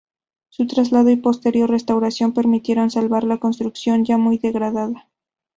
Su traslado y posterior restauración permitieron salvar la construcción, ya muy degradada.